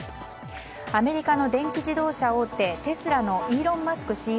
アメリカの電気自動車大手テスラのイーロン・マスク